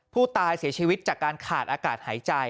ผู้เสียชีวิตจากการขาดอากาศหายใจ